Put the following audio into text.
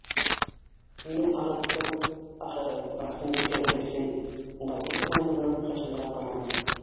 Һине арыттым, ахыры, Барсынбикә өләсәй, - Давид уңайһыҙланып Хашимға ҡараны.